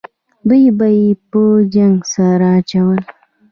دوه به یې په جنګ سره اچول.